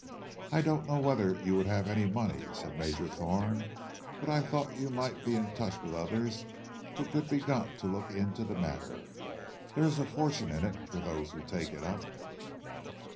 "I didn't know whether you would have any money," said Major Thorne, "—but I thought you might be in touch with others who could be got to look into the matter. There is a fortune in it for those who take it up."